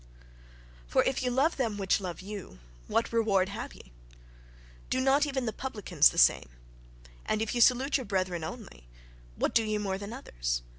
"For if ye love them which love you, what reward have ye? do not even the publicans the same? And if ye salute your brethren only, what do ye more than others?